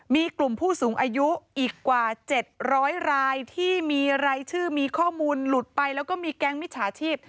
มีกลุ่มผู้สูงอายุอีกกว่า๗๐๐รายที่มีรายชื่อมีข้อมูลหลุดไปแล้วก็มีแก๊งมิจฉาชีพ